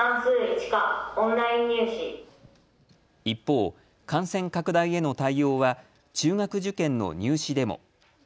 一方、感染拡大への対応は中学受験の入試でも。